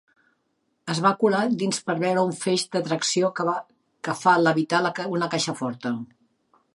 Es va colar dins per veure un feix de tracció que fa levitar una caixa forta.